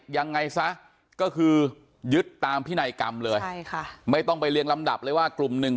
ยังไงซะก็คือยึดตามพินัยกรรมเลยใช่ค่ะไม่ต้องไปเรียงลำดับเลยว่ากลุ่มหนึ่ง